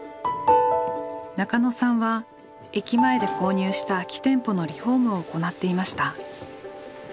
中野さんは駅前で購入した空き店舗のリフォームを行っていました。